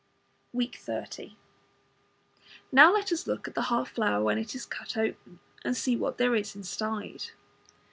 Week 30 Next let us look at the half flower when it is cut open, and see what there is inside.